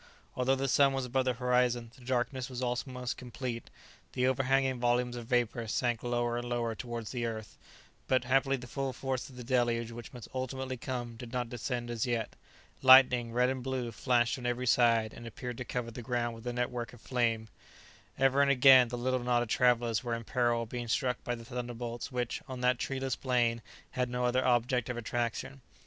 Although the sun was above the horizon, the darkness was almost complete; the overhanging volumes of vapour sank lower and lower towards the earth, but happily the full force of the deluge which must ultimately come did not descend as yet. Lightning, red and blue, flashed on every side and appeared to cover the ground with a network of flame. Ever and again the little knot of travellers were in peril of being struck by the thunderbolts which, on that treeless plain, had no other object of attraction.